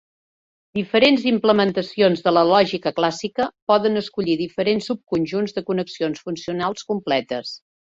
Diferents implementacions de la lògica clàssica poden escollir diferents subconjunts de connexions funcionals completes.